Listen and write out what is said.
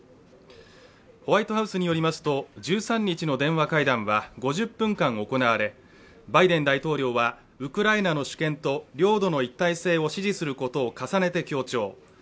ホワイトハウスによりますと１３日の電話会談は５０分間行われバイデン大統領はウクライナの主権と領土の一体性を支持することを重ねて強調。